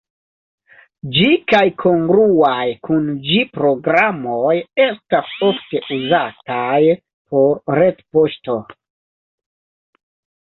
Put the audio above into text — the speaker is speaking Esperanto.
Ĝi kaj kongruaj kun ĝi programoj estas ofte uzataj por retpoŝto.